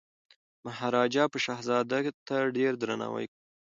مهاراجا به شهزاده ته ډیر درناوی کوي.